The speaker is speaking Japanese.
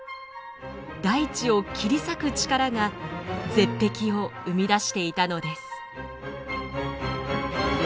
大地を切り裂く力が絶壁を生み出していたのです。